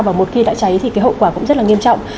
và một khi đã cháy thì cái hậu quả cũng rất là nghiêm trọng